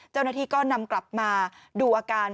เจ้าหน้าที่ก็นำกลับมาดูอาการ